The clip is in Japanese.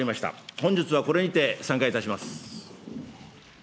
本日はこれにて散会いたします。